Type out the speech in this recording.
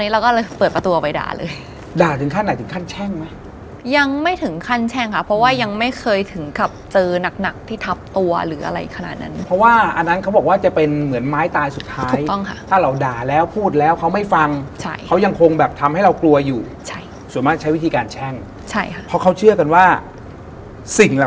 เราก็จะแบบเราเคยสะบดไปแบบเฮ้ยเงียบหน่อยอะไรอย่างนี้ค่ะ